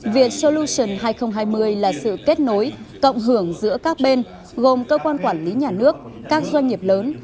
vietsolution hai nghìn hai mươi là sự kết nối cộng hưởng giữa các bên gồm cơ quan quản lý nhà nước các doanh nghiệp lớn